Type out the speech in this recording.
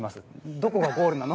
「どこがゴールなの？」。